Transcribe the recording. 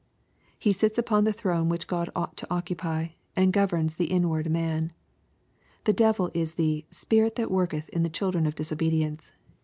He sits upon the throne which God ought to occupy, and governs the inward man. The devil is the *' spirit that worketh in the children of disobedience."